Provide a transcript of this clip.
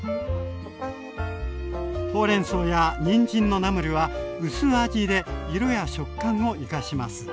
ほうれんそうやにんじんのナムルは薄味で色や食感を生かします。